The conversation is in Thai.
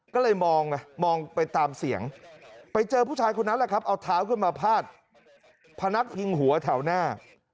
ก็เลยมองไงมองไปตามเสียงไปเจอผู้ชายคนนั้นแหละครับเอาเท้าขึ้นมาพาดพนักพิงหัวแถวหน้า